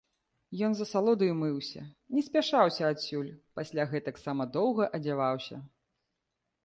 Ён з асалодаю мыўся, не спяшаўся адсюль, пасля гэтаксама доўга адзяваўся.